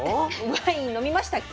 ワイン飲みましたっけ？